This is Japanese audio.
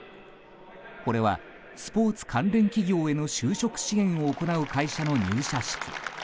これはスポーツ関連企業への就職支援を行う会社の入社式。